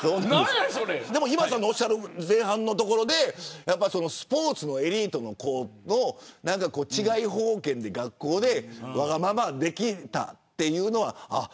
今田さんがおっしゃる前半のところでスポーツのエリートの子の治外法権で、学校でわがままが、できたというのは。